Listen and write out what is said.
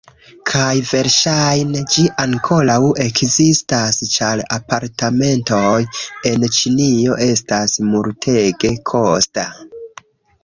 Kaj verŝajne, ĝi ankoraŭ ekzistas ĉar apartamentoj en Ĉinio estas multege kosta.